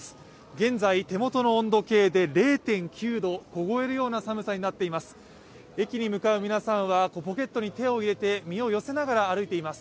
現在手元の温度計で０．９度、凍えるような寒さになっています。